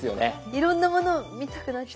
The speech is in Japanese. いろいろなもの見たくなっちゃう。